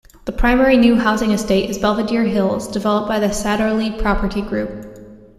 The primary new housing estate is Belvedere Hills, developed by the Satterley Property Group.